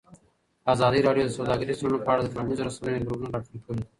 ازادي راډیو د سوداګریز تړونونه په اړه د ټولنیزو رسنیو غبرګونونه راټول کړي.